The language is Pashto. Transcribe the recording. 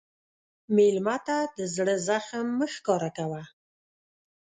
مېلمه ته د زړه زخم مه ښکاره کوه.